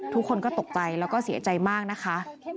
ทุกคนก็ตกใจแล้วก็เสียใจมากนะคะ